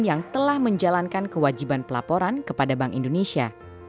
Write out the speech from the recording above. yang telah menjalankan kewajiban pelaporan kepada bank indonesia